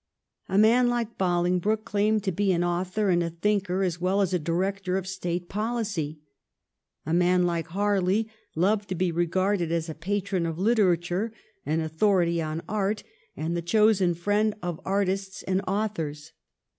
A man like Bolingbroke claimed to be an author and a thinker as well as a director of State policy ; a man like Harley loved to be regarded as a patron of literature, an authority on art, and the chosen friend of artists and authors.